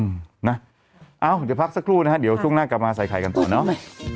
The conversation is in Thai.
เดี๋ยวพักสักครู่นะฮะเดี๋ยวช่วงหน้ากลับมาใส่ไข่กันต่อเนอะ